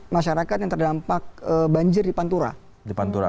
masyarakat yang terdampak banjir di pantura